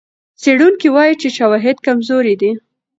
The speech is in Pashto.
څېړونکي وايي چې شواهد کمزوري دي.